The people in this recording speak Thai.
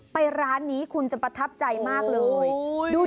ร้านนี้คุณจะประทับใจมากเลย